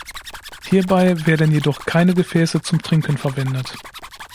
Hierbei werden jedoch keine Gefäße zum Trinken verwendet.